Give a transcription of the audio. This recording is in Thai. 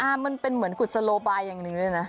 มันเป็นเหมือนกุศโลบายอย่างหนึ่งด้วยนะ